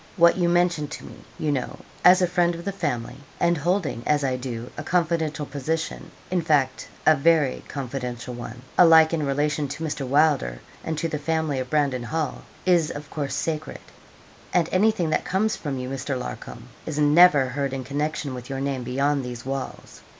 What you mention to me, you know, as a friend of the family, and holding, as I do, a confidential position in fact, a very confidential one alike in relation to Mr. Wylder and to the family of Brandon Hall, is of course sacred; and anything that comes from you, Mr. Larcom, is never heard in connection with your name beyond these walls.